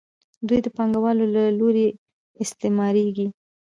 دوی د پانګوالو له لوري استثمارېږي